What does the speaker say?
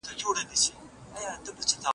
زه د اورلوبو له چاودون سره لا نه یم بلد